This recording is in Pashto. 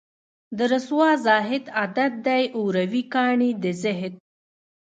د رســــــوا زاهـــــد عـــــــادت دی اوروي کاڼي د زهد